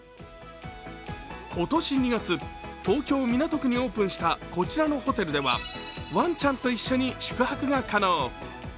今年２月、東京・港区にオープンしたこちらのホテルではワンちゃんと一緒に宿泊が可能。